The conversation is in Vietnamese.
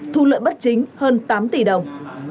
thu lợi bất chính hơn tám tỷ đồng